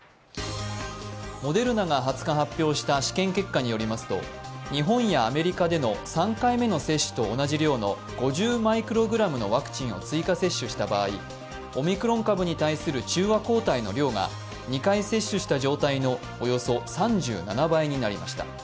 モデルナが２０日発表した試験結果によりますと日本やアメリカでの３回目の接種と同じ量の５０μｇのワクチンを接種した場合、オミクロン株に対する中和抗体の量が２回接種した状態のおよそ３７倍になりました。